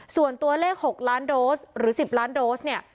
ส่วนตัวเลข๖ล้านโดสหรือ๑๐ล้านโดสเนี่ย